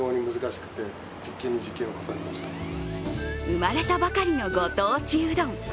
生まれたばかりのご当地うどん。